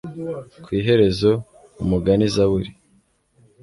Ku iherezo Umuganizaburi